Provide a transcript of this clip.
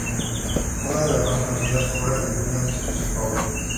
Una de las más conocidas obras de Williams y su favorita.